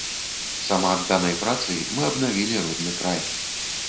Самаадданай працай мы абнавілі родны край.